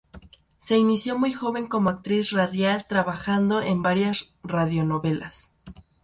Se inició muy joven como actriz radial trabajando en varias radionovelas.